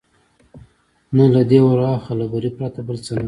نه له دې ورهاخوا، له بري پرته بل څه نشته.